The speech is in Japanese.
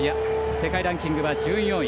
世界ランキングは１４位。